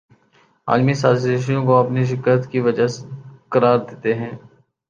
عالمی سازشوں کو اپنی شکست کی وجہ قرار دیتے ہیں